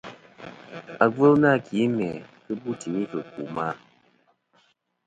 Agvɨl nâ ki mæ kɨ bu timi fɨ̀ ku ma.